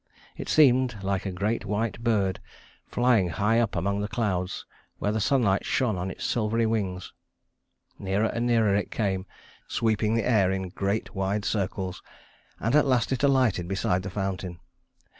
It seemed like a great white bird, flying high up among the clouds, where the sunlight shone on its silvery wings. Nearer and nearer it came, sweeping the air in great wide circles, and at last it alighted beside the fountain.